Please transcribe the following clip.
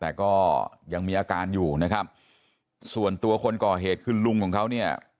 แต่ก็ยังมีอาการอยู่นะครับส่วนตัวคนก่อเหตุคือลุงของเขาเนี่ย